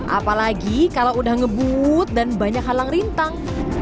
apalagi kalau udah ngebut dan banyak halang rintang